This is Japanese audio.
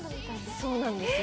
そうなんですよ。